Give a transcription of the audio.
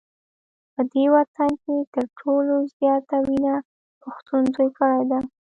په دې وطن کي تر ټولو زیاته وینه پښتون توی کړې ده